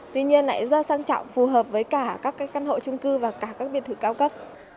tuy nhiên lại ra sáng trọng phù hợp với cả các căn hộ trung cư và cả các biệt thử cao cấp